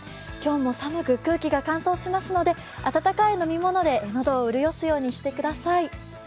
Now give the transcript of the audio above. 今日も寒く、空気が乾燥しますので温かい飲み物で喉を潤すようにしてください。